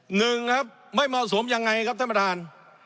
หนึ่งครับไม่เหมาะสมยังไงครับท่านประธาน